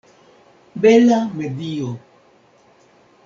Bela medio!